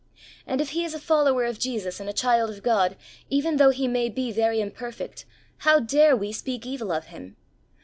And if he is a follower of Jesus and a child of God, even though he may be very imperfect, how dare we speak evil of him